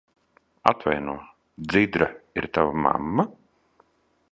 Atvaino, Dzidra ir tava mamma?